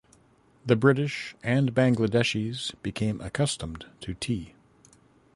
The British and Bangladeshis became accustomed to tea.